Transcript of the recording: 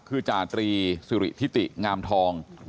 คือจาตรีสิริทิติงามทอง